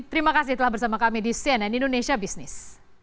terima kasih telah bersama kami di cnn indonesia business